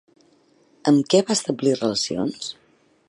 Amb què va establir relacions?